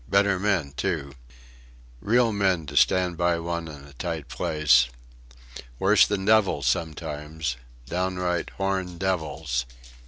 Better men, too. Real men to stand by one in a tight place. Worse than devils too sometimes downright, horned devils.